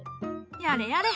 やれやれ。